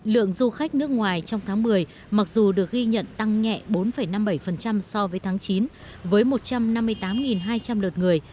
lượng du khách nước ngoài trong tháng một mươi mặc dù được ghi nhận tăng nhẹ bốn năm mươi bảy so với tháng chín với một trăm năm mươi tám hai trăm linh lượt người